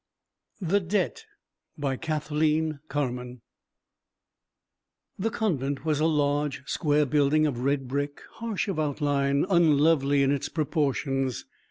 THE DEBT BY KATHLEEN CARMAN THE convent was a large square building of red brick, harsh of outline, unlovely in its proportions.